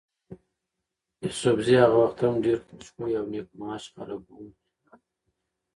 يوسفزي هغه وخت هم ډېر خوش خویه او نېک معاش خلک ول.